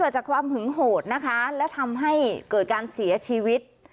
จากความหึงโหดนะคะและทำให้เกิดการเสียชีวิต